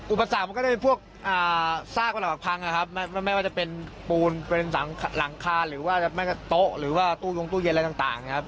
อุปสรรคก็ได้พวกซากไม่ว่าจะเป็นปูนหลังคาโต๊ะตู้เย็นอะไรต่างนะครับ